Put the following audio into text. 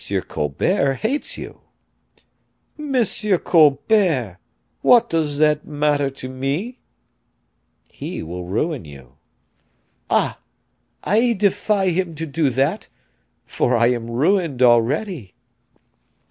Colbert hates you." "M. Colbert! What does that matter to me?" "He will ruin you." "Ah! I defy him to do that, for I am ruined already."